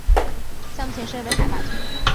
项目前身为海坝村。